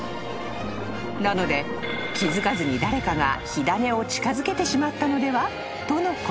なので気付かずに誰かが火種を近づけてしまったのでは？とのこと］